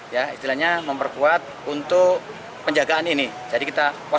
ya istilahnya memperkuat untuk penjagaan kita ya itu adalah kegiatan yang kita lakukan di jawa barat